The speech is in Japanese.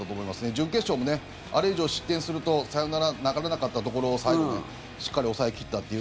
準決勝も、あれ以上失点するとサヨナラ流れなかったところを最後、しっかり抑え切ったっていう。